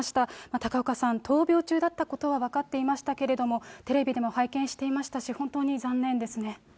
高岡さん、闘病中だったことは分かっていましたけれども、テレビでも拝見していましたし、本当に残念ですね。